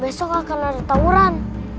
besok akan ada tawuran